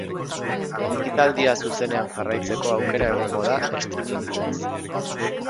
Ekitaldia zuzenean jarraitzeko aukera egongo da, streaming bidez.